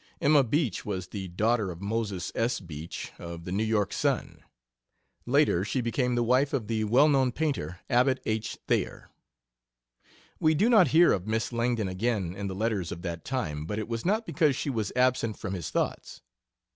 Emma Beach was the daughter of Moses S. Beach, of the 'New York Sun.' Later she became the wife of the well known painter, Abbot H. Thayer. We do not hear of Miss Langdon again in the letters of that time, but it was not because she was absent from his thoughts.